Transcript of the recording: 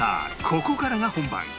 ここからが本番